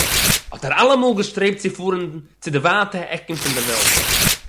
האָט ער אַלעמאָל געשטרעבט צו פאָרן צו די ווייטע עקן פון דער וועלט